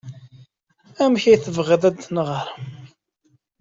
Amek ay tebɣiḍ ad ak-neɣɣar?